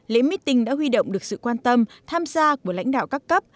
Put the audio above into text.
lễ meeting đã huy động được sự quan tâm tham gia của lãnh đạo các cấp